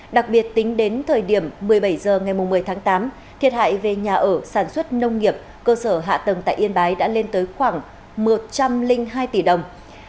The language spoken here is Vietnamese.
đặc biệt tính đến thời điểm một mươi bảy h ngày một mươi tháng tám thiệt hại về nhà ở sản xuất nông nghiệp cơ sở hạ tầng tại yên bái đã lên tới khoảng một trăm linh hai tỷ đồng